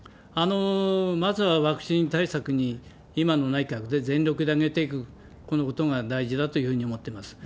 まずはワクチン対策に今の内閣で全力で挙げていくことが大事だというふうに思ってます。